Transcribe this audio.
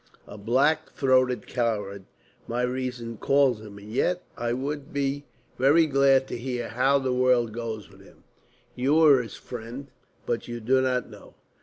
A black throated coward my reason calls him, and yet I would be very glad to hear how the world goes with him. You were his friend. But you do not know?"